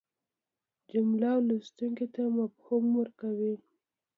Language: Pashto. جمله لوستونکي ته مفهوم ورکوي.